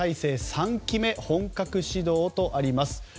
３期目本格始動とあります。